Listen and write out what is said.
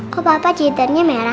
kok papa jiternya merah